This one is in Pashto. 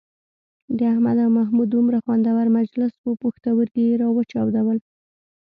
د احمد او محمد دومره خوندور مجلس وو پوښتورگي یې را وچاودل.